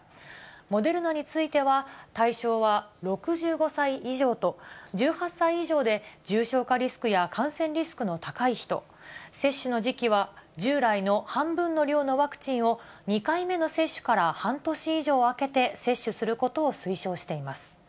モデルナについては、対象は６５歳以上と、１８歳以上で重症化リスクや感染リスクの高い人、接種の時期は従来の半分の量のワクチンを、２回目の接種から半年以上空けて接種することを推奨しています。